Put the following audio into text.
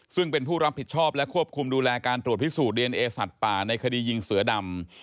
ซึ่งเป็นผู้รับผิดชอบและควบคุมดูแลการตรวจพิสูจนดีเอนเอสัตว์ป่าในคดียิงเสือดำ